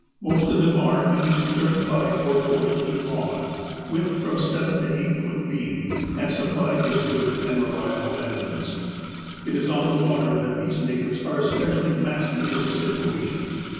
Most of them are each thirty five or forty feet long, with from seven to eight foot beam, and supplied with good and reliable engines. It is on the water that these natives are especially masters of the situation.